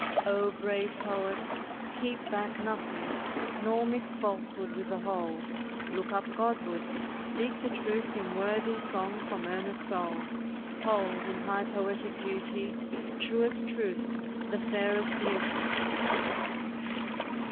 O brave poets, keep back nothing ; Nor mix falsehood with the whole ! Look up Godward! speak the truth in Worthy song from earnest soul ! Hold, in high poetic duty, Truest Truth the fairest Beauty!